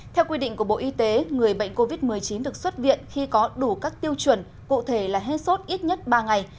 theo quy định của bộ y tế người bệnh covid một mươi chín được xuất viện khi có đủ các tiêu chuẩn cụ thể là hê sốt ít nhất ba ngày